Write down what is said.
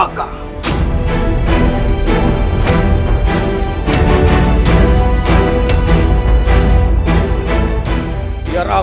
biar aku yang menghadapinya rasul